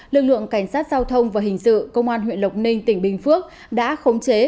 lực lượng cảnh sát giao thông và hình sự công an huyện lộc ninh tỉnh bình phước đã khống chế